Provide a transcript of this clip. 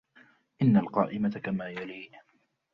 إن القائمة كما يلي.